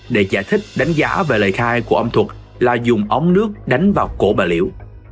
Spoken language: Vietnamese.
để giải thích đánh giá về lời khai của âm thuật là dùng ống nước đánh vào cổ bà liễu